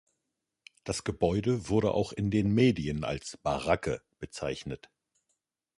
Das Gebäude wurde auch in den Medien als "Baracke" bezeichnet.